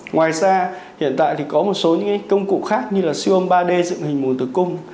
ngoài ra hiện tại thì có một số những công cụ khác như là siêu âm ba d dựng hình mùn tử cung